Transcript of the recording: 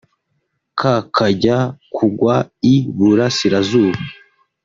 kakajya kugwa i-Burasirazuba